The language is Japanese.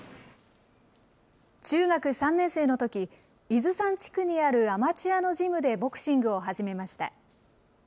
中学３年生のとき、伊豆山地区にあるアマチュアのジムでボクシングを始めました。